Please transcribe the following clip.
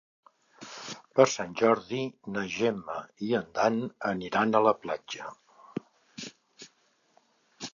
Per Sant Jordi na Gemma i en Dan aniran a la platja.